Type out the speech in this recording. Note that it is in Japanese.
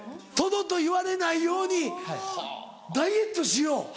トドと言われないようにダイエットしよう？